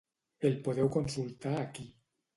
El podeu consultar aquí: